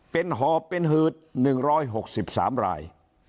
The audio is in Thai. เป็นหอบเป็นหืด๑๖๓ราย